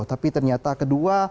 tapi ternyata kedua